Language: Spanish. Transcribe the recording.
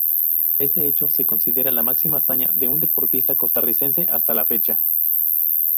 Este hecho se considera la máxima hazaña de un deportista costarricense hasta la fecha.